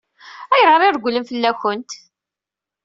Ayɣer i regglen fell-akent?